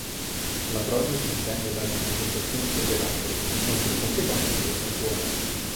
La prognosi dipende dalle manifestazioni correlate, in assenza di complicanze è buona.